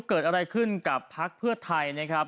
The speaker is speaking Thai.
เกิดอะไรขึ้นกับพักเพื่อไทยนะครับ